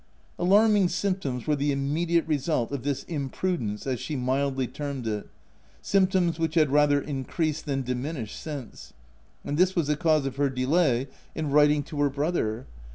Alarming symptoms were the immediate result of this tc impru dence '* as she mildly termed it — symptoms which had rather increased than diminished since ; and this was the cause of her delay in writing to her brother.